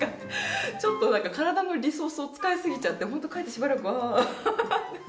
ちょっと体のリソースを使い過ぎちゃってホント帰ってしばらくあって。